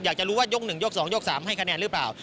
อยากจะรู้ว่ายก๑ยก๒ยก๓ให้คะแนนหรือเปล่า